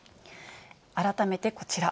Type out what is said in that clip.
改めてこちら。